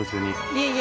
いえいえ。